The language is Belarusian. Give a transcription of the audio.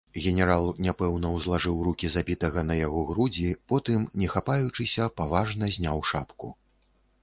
Генерал няпэўна ўзлажыў рукі забітага на яго грудзі, потым, не хапаючыся, паважна зняў шапку.